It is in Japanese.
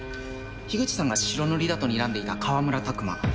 口さんが白塗りだとにらんでいた川村琢磨